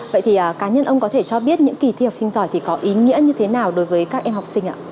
vậy thì cá nhân ông có thể cho biết những kỳ thi học sinh giỏi thì có ý nghĩa như thế nào đối với các em học sinh ạ